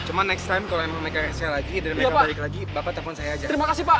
cuma next time kalau mereka balik lagi bapak telepon saya aja